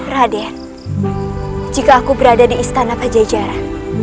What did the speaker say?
raden jika aku berada di istana pajajaran